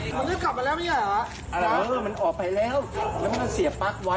ส่องน้ำสายต้องไปเลย